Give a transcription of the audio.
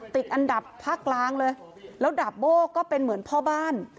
ติดอันดับภาคกลางเลยแล้วดาบโบ้ก็เป็นเหมือนพ่อบ้าน